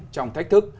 trong thách thức